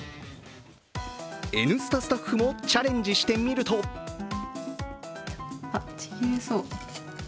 「Ｎスタ」スタッフもチャレンジしてみるとちぎれそう。